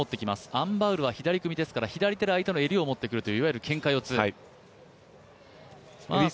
アン・バウルは左組ですから左で相手の襟を持ってくるという、いわゆるけんか四つ。